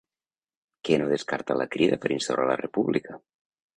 Què no descarta la Crida per instaurar la república?